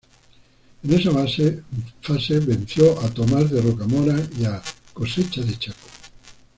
En esta fase venció a Tomás de Rocamora y a Cosecha de Chaco.